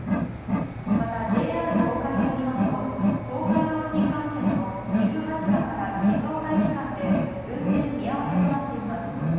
またＪＲ東海によりますと東海道新幹線の岐阜羽島から静岡駅間で運転見合わせとなっています。